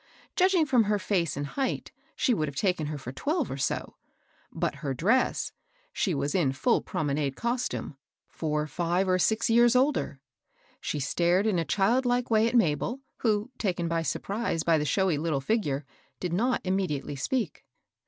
Judging from her face and height, she would have taken her for twelve, or so ; by her dress, — she was in ftdl promenade costume, — for five or six years plder. She stared in a childlike way at Mabel, who, taken by surprise by the showy little figure, did not immediately speak.